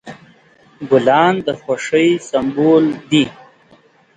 ګلان د خوښۍ سمبول دي.